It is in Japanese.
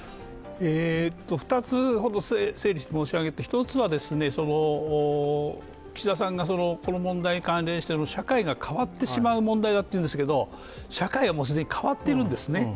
２つほど整理して申し上げて、１つは岸田さんがこの問題に関連して社会が変わってしまう問題だというんですけど、社会はもう既に変わっているんですね。